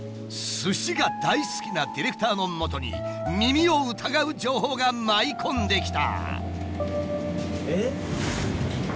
すしが大好きなディレクターのもとに耳を疑う情報が舞い込んできた。